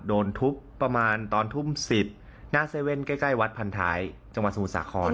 โดนทุบประมาณตอนทุ่ม๑๐หน้าเซเว่นใกล้วัดพันท้ายจังหวัดสมุทรสาคร